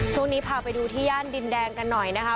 ช่วงนี้พาไปดูที่ย่านดินแดงกันหน่อยนะคะ